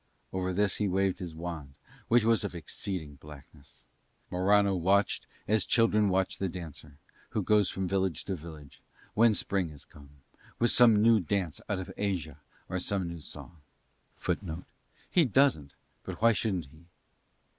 Over this he waved his wand, which was of exceeding blackness. Morano watched as children watch the dancer, who goes from village to village when spring is come, with some new dance out of Asia or some new song.[Footnote: He doesn't, but why shouldn't he?